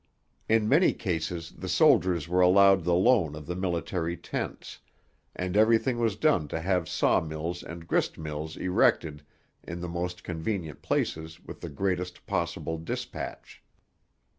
In many cases the soldiers were allowed the loan of the military tents; and everything was done to have saw mills and grist mills erected in the most convenient places with the greatest possible dispatch.